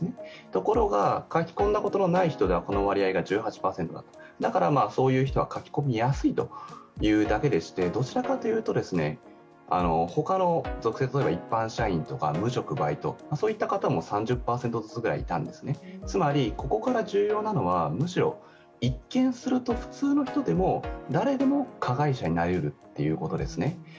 ところが書き込んだことのない人はこの割合が１８％とそういう人は書き込みやすいというだけでしてどちらかというと他の一般社員とか無職、バイト３０％ずつぐらいいたんですね、つまりここから重要なのはむしろ一見すると普通の人でも、誰でも加害者になりえるということですね。